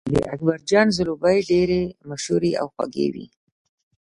د اکبرجان ځلوبۍ ډېرې مشهورې او خوږې وې.